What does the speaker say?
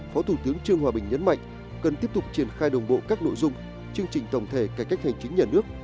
phó thủ tướng trương hòa bình nhấn mạnh cần tiếp tục triển khai đồng bộ các nội dung chương trình tổng thể cải cách hành chính nhà nước